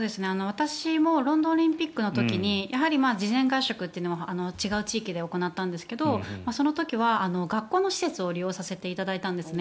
私もロンドンオリンピックの時にやはり事前合宿というのは違う地域で行ったんですけどその時は学校の施設を利用させていただいたんですね。